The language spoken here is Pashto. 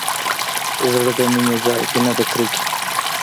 زړه د مينې ځاى دى نه د کرکې.